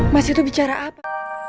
mas itu bicara apa